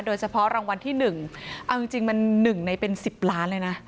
โดยเฉพาะรางวัลที่หนึ่งเอาจริงจริงมันหนึ่งในเป็นสิบล้านเลยนะ